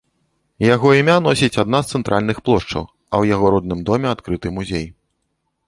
Яго імя носіць адна з цэнтральных плошчаў, а ў яго родным доме адкрыты музей.